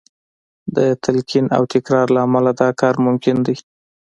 د تلقین او تکرار له امله دا کار ممکن دی